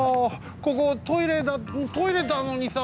ここトイレなのにさ